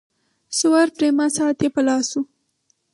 سوار پریما ساعت یې په لاس وو.